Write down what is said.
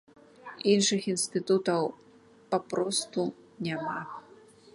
Іншых інстытутаў папросту няма.